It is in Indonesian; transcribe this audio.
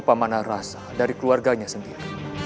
pemandangan rasa dari keluarganya sendiri